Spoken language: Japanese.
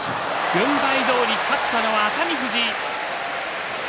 軍配どおり勝ったのは熱海富士。